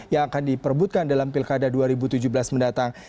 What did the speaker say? yang akan diperbutkan dalam pilkada dua ribu tujuh belas mendatang